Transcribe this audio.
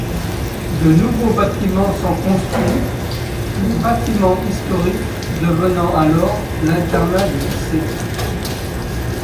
De nouveaux bâtiments sont construits, le bâtiment historique devenant alors l'internat du lycée.